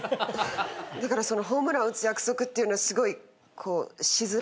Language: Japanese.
だからそのホームラン打つ約束っていうのはすごいこうしづらい。